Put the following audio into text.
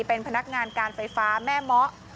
เป็นพนักงานการไฟฟ้าแม่เมาะ